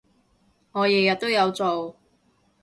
我日日都做